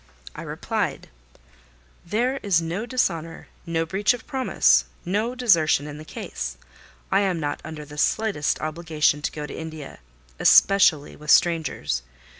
I replied— "There is no dishonour, no breach of promise, no desertion in the case. I am not under the slightest obligation to go to India, especially with strangers.